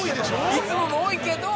いつもも多いけど。